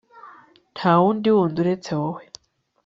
nta wundi wundi uretse wowe